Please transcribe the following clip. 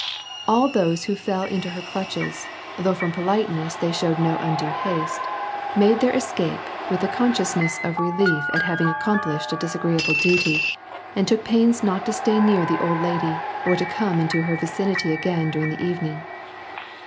All ■ k H} who fell into her clutches, though from politeness they ^owed no undue haste, made their escape with the conscious •1688 of relief at having accomplished a disagreeable duty, and 'ook pains not to stay near the old lady or to come into her ^ieinity again during the evening.